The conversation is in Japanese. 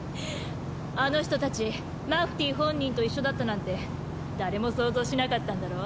あの人たちマフティー本人と一緒だったなんて誰も想像しなかったんだろう？